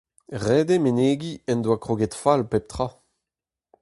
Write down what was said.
Ret eo menegiñ en doa kroget fall pep tra.